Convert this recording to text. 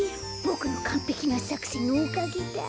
ボクのかんぺきなさくせんのおかげだ！